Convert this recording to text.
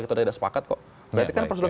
itu sudah sepakat kok berarti kan prosedural